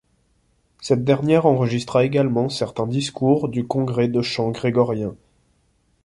Cette dernière enregistra également certains discours du congrès de chant grégorien.